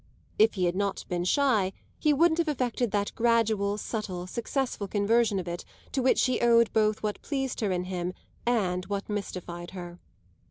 If he had not been shy he wouldn't have effected that gradual, subtle, successful conversion of it to which she owed both what pleased her in him and what mystified her.